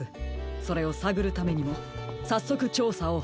それをさぐるためにもさっそくちょうさをはじめましょう。